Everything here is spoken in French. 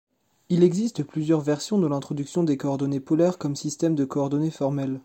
Il existe plusieurs versions de l’introduction des coordonnées polaires comme système de coordonnées formel.